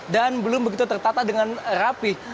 belum begitu tertata dengan rapih